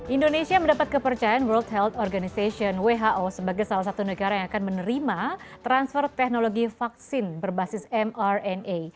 indonesia mendapat kepercayaan world health organization who sebagai salah satu negara yang akan menerima transfer teknologi vaksin berbasis mrna